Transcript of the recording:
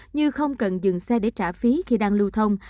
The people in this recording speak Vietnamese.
như không cần dừng xe để trả phí khi đang lưu thông